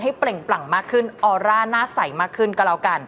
เปล่งปลั่งมากขึ้นออร่าหน้าใสมากขึ้นก็แล้วกัน